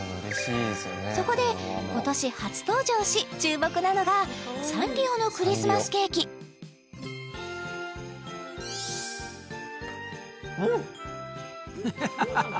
そこで今年初登場し注目なのがサンリオのクリスマスケーキうん！